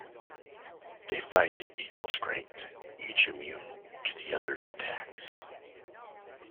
They fight at equal strength, each immune to the other's attacks.